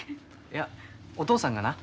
いやお父さんがな